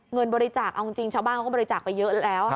เงินบริจาคเอาจริงชาวบ้านเขาก็บริจาคไปเยอะแล้ว